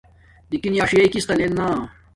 نِکِن یݳ اݵسیئ کِستݳ لݵل نݳ.